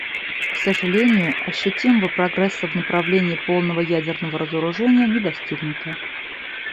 К сожалению, ощутимого прогресса в направлении полного ядерного разоружения не достигнуто.